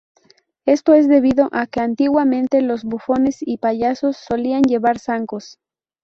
Esto es debido a que antiguamente los bufones y payasos solían llevar zancos.